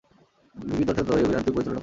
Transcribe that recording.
ভিকি তথ্যটা তোর, এই অভিযান তুই পরিচালনা কর।